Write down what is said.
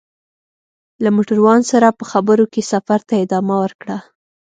له موټروان سره په خبرو کې سفر ته ادامه ورکړه.